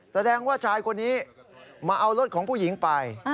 แสดงว่าชายคนนี้มาเอารถของผู้หญิงไป